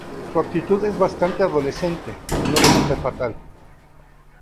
Su actitud es bastante adolescente, no de mujer fatal.